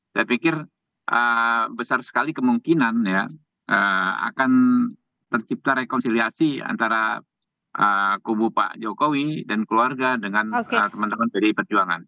saya pikir besar sekali kemungkinan ya akan tercipta rekonsiliasi antara kubu pak jokowi dan keluarga dengan teman teman pdi perjuangan